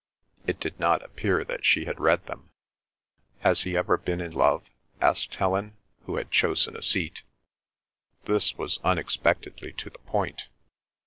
It did not appear that she had read them. "Has he ever been in love?" asked Helen, who had chosen a seat. This was unexpectedly to the point.